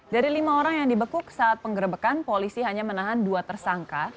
dari lima orang yang dibekuk saat penggerbekan polisi hanya menahan dua tersangka